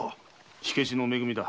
火消しのめ組だ。